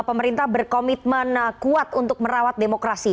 pemerintah berkomitmen kuat untuk merawat demokrasi